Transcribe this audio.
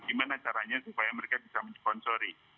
gimana caranya supaya mereka bisa mensponsori